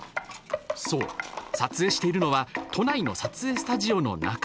そう、撮影しているのは都内の撮影スタジオの中。